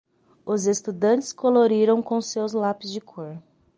Os estudantes coloriram com seus lápis de cor.